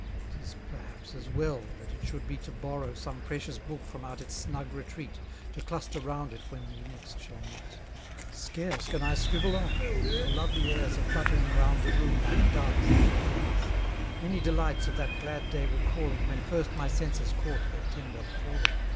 'Tis perhaps as well that it should be to borrow Some precious book from out its snug retreat, To cluster round it when we next shall meet. Scarce can I scribble on; for lovely airs Are fluttering round the room like doves in pairs; Many delights of that glad day recalling, When first my senses caught their tender falling.